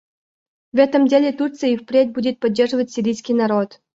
В этом деле Турция и впредь будет поддерживать сирийский народ.